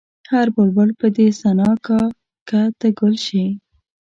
هر بلبل به دې ثنا کا که ته ګل شې.